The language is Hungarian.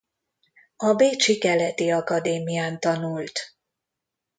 A bécsi keleti akadémián tanult.